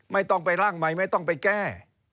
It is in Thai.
ไม่ต้องไปร่างใหม่ไม่ต้องไปแก้